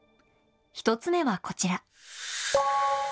１つ目はこちら。